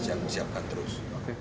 jadi kita siapkan terus